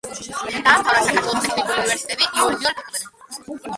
დაამთავრა საქართველოს ტექნიკური უნივერსიტეტის იურიდიული ფაკულტეტი.